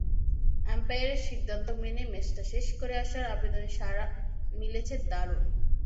আম্পায়ারের সিদ্ধান্ত মেনে ম্যাচটা শেষ করে আসার আবেদনে সাড়া মিলেছে দারুণ।